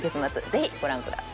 ぜひご覧ください。